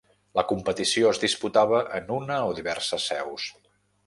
La competició es disputava en una o diverses seus.